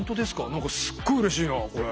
何かすっごいうれしいなこれ。